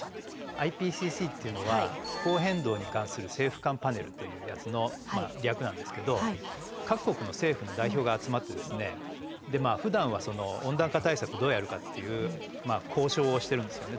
ＩＰＣＣっていうのは気候変動に関する政府間パネルというやつの略なんですけど各国の政府の代表が集まってですねふだんは温暖化対策どうやるかっていう交渉をしてるんですよね。